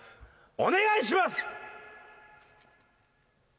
お願いします！